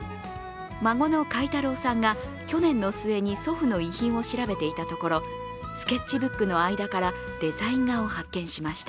孫の塊太郎さんが去年の末に祖父の遺品を調べていたところスケッチブックの間からデザイン画を発見しました。